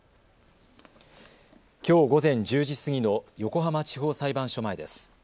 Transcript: きょう午前１０時過ぎの横浜地方裁判所前です。